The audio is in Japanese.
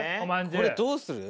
これどうする？